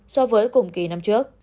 so với cùng kỳ năm trước